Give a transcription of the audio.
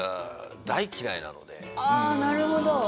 なるほど！